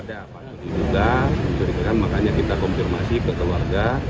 ada apa apa yang diduga mencurigakan makanya kita konfirmasi ke keluarga